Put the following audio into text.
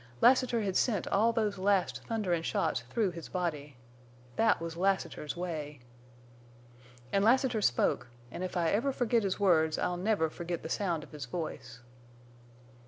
Lassiter had sent all those last thunderin' shots through his body. Thet was Lassiter's way. "An' Lassiter spoke, en' if I ever forgit his words I'll never forgit the sound of his voice.